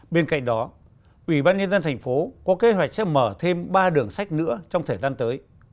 bên cạnh đó ủy ban nhân dân thành phố có kế hoạch sẽ mở thêm ba đường sách nữa trong thời gian tới